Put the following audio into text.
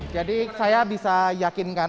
jadi saya bisa yakinkan